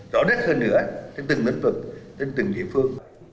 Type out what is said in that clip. rõ rắc hơn nữa cái từng nguyên vực cái từng địa phương